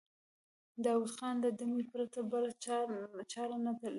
داوود خان له دمې پرته بله چاره نه ليده.